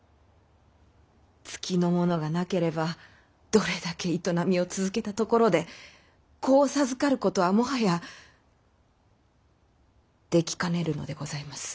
月のものがなければどれだけ営みを続けたところで子を授かることはもはやできかねるのでございます。